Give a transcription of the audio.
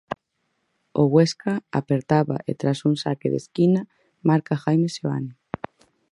O Huesca apertaba e tras un saque de esquina marca Jaime Seoane.